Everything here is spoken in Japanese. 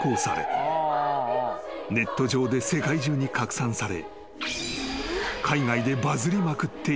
ネット上で世界中に拡散され］